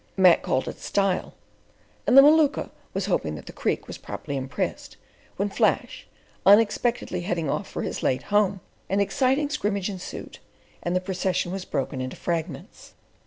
Mac called it "style," and the Maluka was hoping that the Creek was properly impressed, when Flash, unexpectedly heading off for his late home, an exciting scrimmage ensued and the procession was broken into fragments.